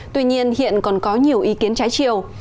tuy nhiên hiện còn có nhiều ý kiến trái chiều